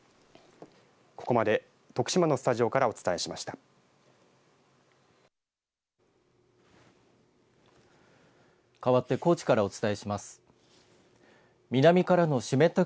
ここまで徳島のスタジオからお伝えしました。